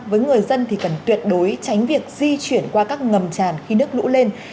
với người dân thì cần tuyệt đối tránh việc di chuyển qua các ngầm tràn khi nước lũ lên